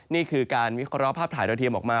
นี่คือการวิเคราะห์ภาพถ่ายดาวเทียมออกมา